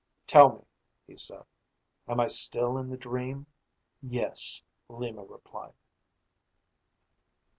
"Tell me," he said, "am I still in the dream?" "Yes," Lima replied.